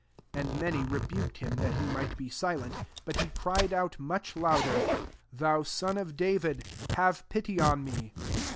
'' 48 And many rebuked him, that he might be silent: but he cried out much louder, <^ Thou son of David, have pity on me."